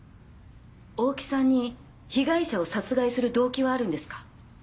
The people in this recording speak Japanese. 大木さんに被害者を殺害する動機はあるんですか？